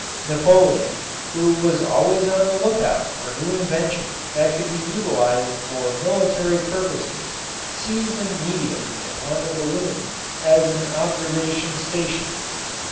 Napoleon, who was always on the lookout for new inventions that could be utilized for military purposes, seized immediately upon the balloon as an observation station.